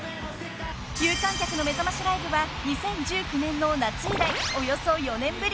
［有観客のめざましライブは２０１９年の夏以来およそ４年ぶり］